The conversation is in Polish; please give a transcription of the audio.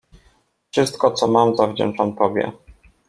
— Wszystko, co mam, zawdzięczam tobie.